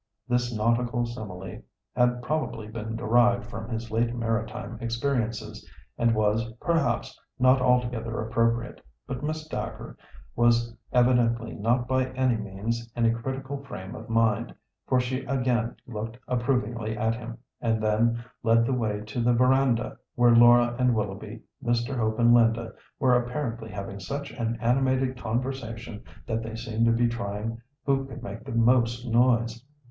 This nautical simile had probably been derived from his late maritime experiences, and was, perhaps, not altogether appropriate; but Miss Dacre was evidently not by any means in a critical frame of mind, for she again looked approvingly at him, and then led the way to the verandah, where Laura and Willoughby, Mr. Hope and Linda, were apparently having such an animated conversation that they seemed to be trying who could make the most noise.